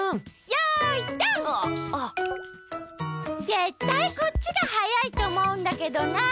ぜったいこっちがはやいとおもうんだけどな。